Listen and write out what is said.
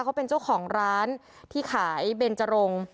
เขาเป็นเจ้าของร้านที่ขายเบนจรง